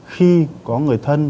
khi có người thân